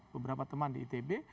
beberapa teman di ipb